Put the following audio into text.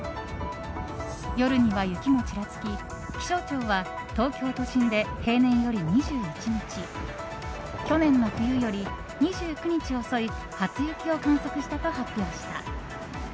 夜には雪もちらつき気象庁は東京都心で平年より２１日去年の冬より２９日遅い初雪を観測したと発表した。